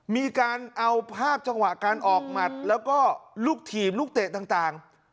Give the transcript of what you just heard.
มีการเอาภาพจังหวะการออกหมัดแล้วก็ลูกถีบลูกเตะต่าง